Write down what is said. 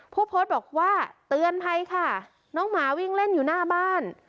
ผู้โพสต์บอกว่าเตือนภัยค่ะน้องหมาวิ่งเล่นอยู่หน้าบ้าน